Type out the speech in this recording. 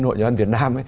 hội nhà văn việt nam